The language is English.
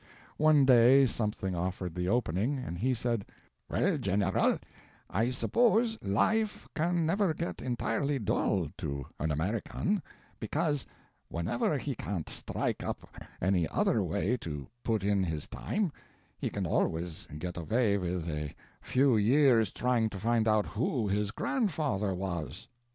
One day something offered the opening, and he said: "Well, General, I suppose life can never get entirely dull to an American, because whenever he can't strike up any other way to put in his time he can always get away with a few years trying to find out who his grandfather was!"